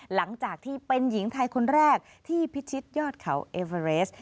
หลังจากที่เป็นหญิงไทยคนแรกที่พิชิตยอดเขาเอเวอเรส